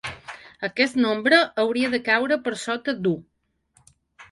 Aquest nombre hauria de caure per sota d’u.